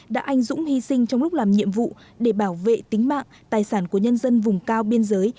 đã anh dũng hy sinh trong lúc làm nhiệm vụ để bảo vệ tính mạng tài sản của nhân dân vùng cao biên giới